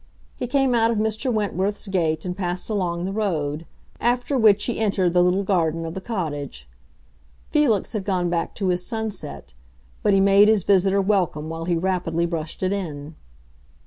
He came out of Mr. Wentworth's gate and passed along the road; after which he entered the little garden of the cottage. Felix had gone back to his sunset; but he made his visitor welcome while he rapidly brushed it in.